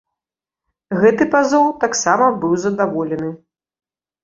Гэты пазоў таксама быў задаволены.